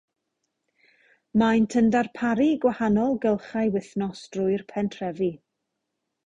Maent yn darparu gwahanol gylchau wythnos trwy'r Pentrefi.